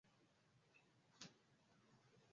Kuma magari mengi katika mji wa Mombasa